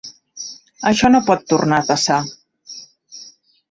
Això no pot tornar a passar.